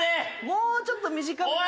もうちょっと短めの。